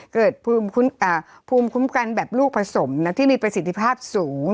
เกิดภูมิคุ้มกันแบบลูกผสมที่มีประสิทธิภาพสูง